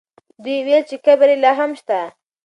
دوی وویل چې قبر یې لا هم شته.